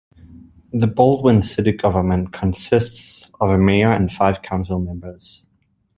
The Baldwin City government consists of a mayor and five council members.